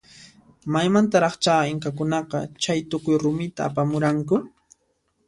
Maymantaraqcha inkakunaqa chaytukuy rumita apamuranku?